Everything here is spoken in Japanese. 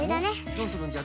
どうするんじゃ？